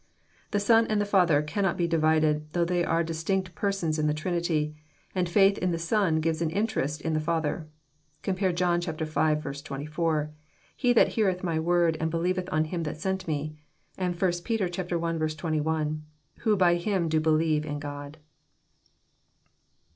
The Son and the Father cannot be divided, though they are distinct Persons in the Trinity; and faith in the Son gives an interest in the Father. (Compare John v. 24: "He that heareth my word, and believeth on Him that sent Me." And 1 Peter 1. 21 :" Who by Him do believe in God.")